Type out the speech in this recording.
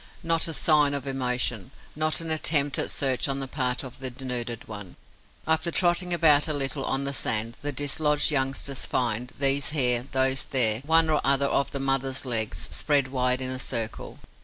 Not a sign of emotion, not an attempt at search on the part of the denuded one. After trotting about a little on the sand, the dislodged youngsters find, these here, those there, one or other of the mother's legs, spread wide in a circle.